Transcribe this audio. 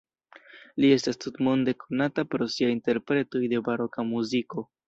Li estas tutmonde konata pro sia interpretoj de baroka muziko.